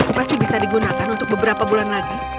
itu pasti bisa digunakan untuk beberapa bulan lagi